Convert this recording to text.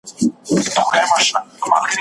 هیلې له بالکن څخه لاندې خلکو ته وکتل.